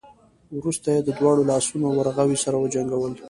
وروسته يې د دواړو لاسونو ورغوي سره وجنګول.